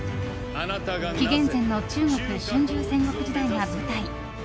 紀元前の中国春秋戦国時代が舞台。